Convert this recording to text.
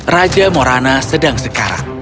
raja morana sedang sekarang